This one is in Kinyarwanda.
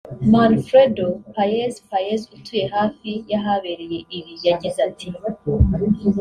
Manfredo Paez Paez utuye hafi y’ahabereye ibi yagize ati